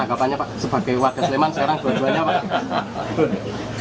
tanggapannya pak sebagai warga sleman sekarang dua duanya pak